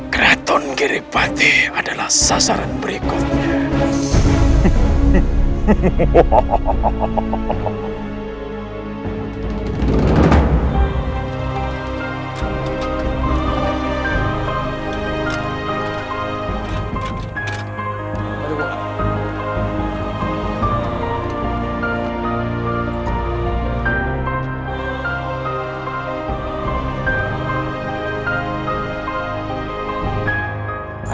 kreaton giri pati adalah sasaran berikutnya